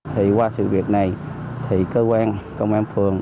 trước đây cơ quan công an phường